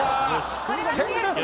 チェンジです！